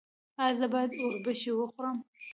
ایا زه باید اوربشې وخورم؟